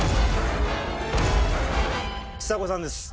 ちさ子さんです。